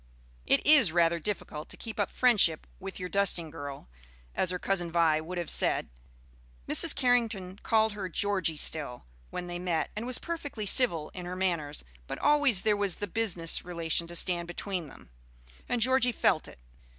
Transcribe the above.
It is rather difficult to keep up friendship with your "dusting girl," as her Cousin Vi would have said; Mrs. Carrington called her "Georgie" still, when they met, and was perfectly civil in her manners, but always there was the business relation to stand between them, and Georgie felt it.